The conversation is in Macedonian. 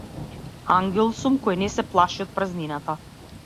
Ангел сум кој не се плаши од празнината.